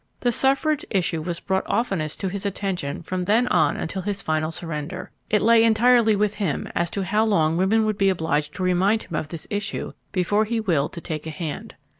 The suffrage issue was brought oftenest to his attention from then on until his final surrender. It lay entirely with him as to how long women would be obliged to remind him of this issue before he willed to take a hand.